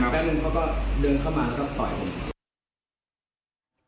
แป๊บนึงเขาก็เดินเข้ามาแล้วก็ต่อยผม